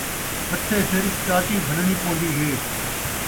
پھتھے سر چاٹی بھنݨی پوندی ہے